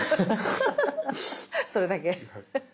それだけ。